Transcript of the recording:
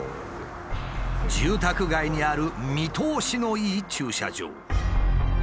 住宅街にある見通しのいい駐車場。